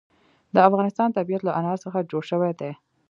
د افغانستان طبیعت له انار څخه جوړ شوی دی.